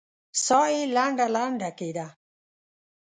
ساه يې لنډه لنډه کېده.